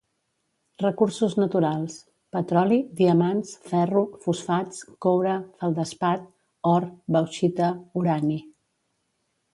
Recursos naturals: petroli, diamants, ferro, fosfats, coure, feldespat, or, bauxita, urani.